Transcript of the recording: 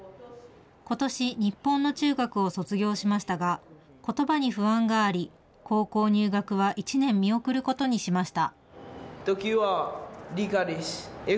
ことし、日本の中学を卒業しましたが、ことばに不安があり、高校入学は１年見送ることにしました。